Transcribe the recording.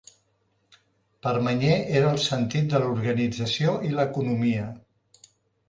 Permanyer era el sentit de l'organització i l'economia.